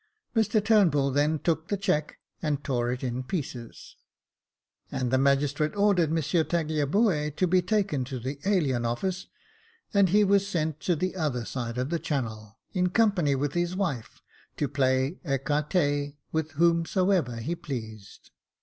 Mr Turnbull then took the cheque and tore it in pieces, and the magistrate ordered M. Tagliabue to be taken to the alien office, and he was sent to the other side of the Channel, in company with his wife, to play ecarte with whomsoever he pleased.